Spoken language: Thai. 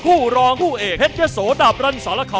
ผู้รองผู้เอกเพศยะโสดาบรันสาระข่อ